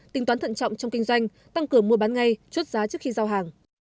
tính toán thận trọng trong kinh doanh tăng cửa mua bán ngay chốt giá trước khi giao hàng